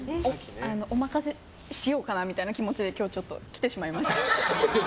お任せしようかなみたいな気持ちで今日、来てしまいました。